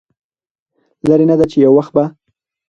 لرې نه ده چې يو وخت به